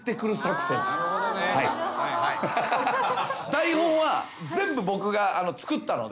「台本は全部僕が作ったので」